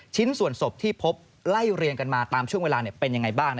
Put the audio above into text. ชิ้นส่วนศพที่พบไล่เรียงกันมาตามช่วงเวลาเป็นยังไงบ้าง